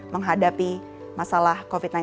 menghadapi masalah covid sembilan belas